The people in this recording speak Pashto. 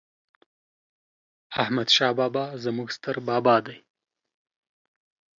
احمد شاه بابا ﺯموږ ستر بابا دي